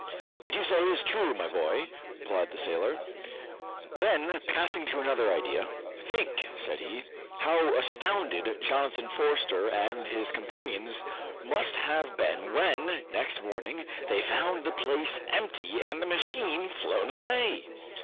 "What you say is true, my boy," replied the sailor. Then passing to another idea, "Think," said he, "how astounded Jonathan Forster and his companions must have been when, next morning, they found the place empty, and the machine flown away!"